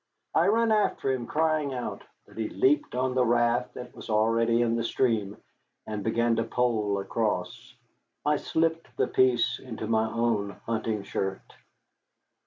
I ran after him, crying out, but he leaped on the raft that was already in the stream and began to pole across. I slipped the piece into my own hunting shirt.